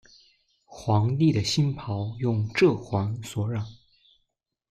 皇帝的黄袍用柘黄所染。